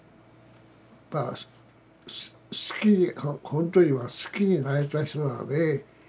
まあ本当に好きになれた人だね